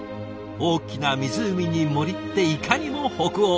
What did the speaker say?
大きな湖に森っていかにも北欧！